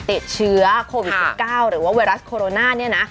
ติดเชื้อโควิด๑๙หรือว่าไวรัสโคโรนาเนี่ยนะ